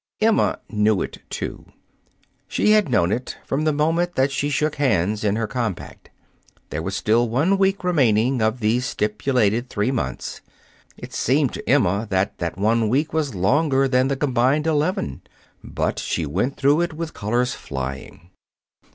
Emma knew it, too. She had known it from the moment that she shook hands in her compact. There was still one week remaining of the stipulated three months. It seemed to Emma that that one week was longer than the combined eleven. But she went through with colors flying.